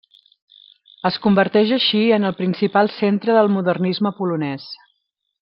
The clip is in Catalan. Es converteix així en el principal centre del modernisme polonès.